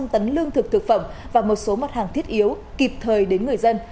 một trăm linh tấn lương thực thực phẩm và một số mặt hàng thiết yếu kịp thời đến người dân